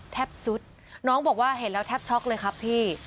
ซุดน้องบอกว่าเห็นแล้วแทบช็อกเลยครับพี่